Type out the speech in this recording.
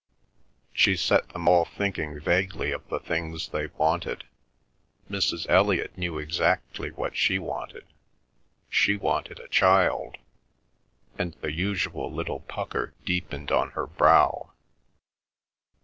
She set them all thinking vaguely of the things they wanted. Mrs. Elliot knew exactly what she wanted; she wanted a child; and the usual little pucker deepened on her brow.